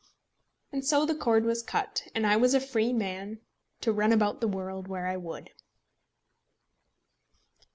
And so the cord was cut, and I was a free man to run about the world where I would.